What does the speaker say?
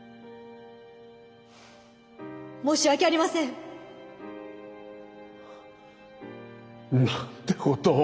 申し訳ありません！なんてことを。